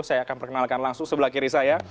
saya akan perkenalkan langsung sebelah kiri saya